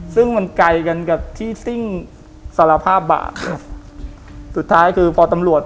ซึ่งมันไกลกันกับที่ซิ่งสารภาพบาท